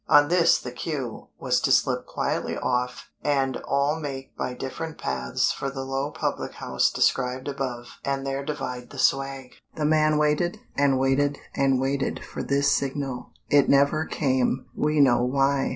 On this the cue was to slip quietly off and all make by different paths for the low public house described above and there divide the swag. The man waited and waited and waited for this signal; it never came; we know why.